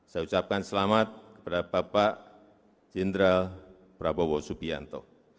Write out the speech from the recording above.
saya ucapkan selamat kepada bapak jenderal prabowo subianto